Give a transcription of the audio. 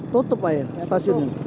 tutup aja stasiunnya